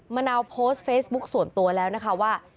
มะนาวโพสต์เฟซบุ๊คส่วนตัวแล้วนะคะว่า